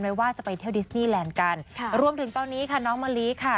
ด้วยความที่เราก็บอกเขาตอนนี้นะ